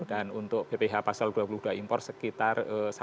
untuk bph pasal dua puluh dua impor sekitar